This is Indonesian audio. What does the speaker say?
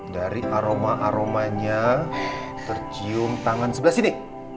dari aroma aromanya tercium tangan sebelah sini